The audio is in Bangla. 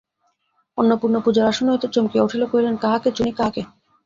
অন্নপূর্ণা পূজার আসন হইতে চমকিয়া উঠিয়া কহিলেন, কাহাকে চুনি, কাহাকে।